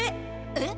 えっ？